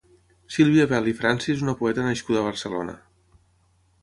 Sílvia Bel i Fransi és una poeta nascuda a Barcelona.